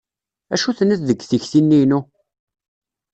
Acu tenniḍ deg tikti-nni-inu?